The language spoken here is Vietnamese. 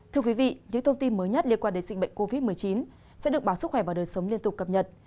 thưa quý vị những thông tin mới nhất liên quan đến dịch bệnh covid một mươi chín sẽ được báo sức khỏe và đời sống liên tục cập nhật